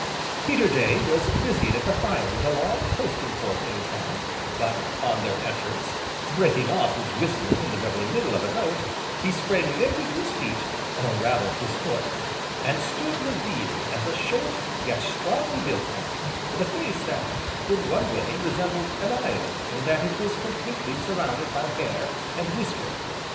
Peterday was busied at the fire with a long toasting fork in his hand, but, on their entrance, breaking off his whistling in the very middle of a note, he sprang nimbly to his feet, (or rather, his foot), and stood revealed as a short, yet strongly built man, with a face that, in one way, resembled an island in that it was completely surrounded by hair, and whisker.